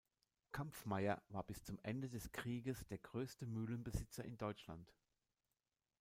Kampffmeyer war bis zum Ende des Krieges der größte Mühlenbesitzer in Deutschland.